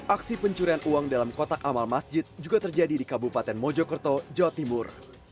aksi pencurian uang dalam kotak amal masjid juga terjadi di kabupaten mojokerto jawa timur